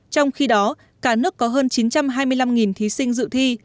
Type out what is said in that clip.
trong khi đó cả nước có hơn chín trăm hai mươi năm thí sinh dự thi